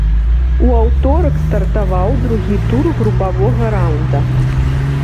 У аўторак стартаваў другі тур групавога раўнда.